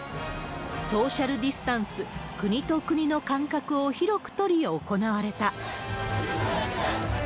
ソーシャルディスタンス、国と国の間隔を広く取り、行われた。